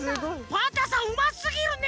パンタンさんうますぎるね！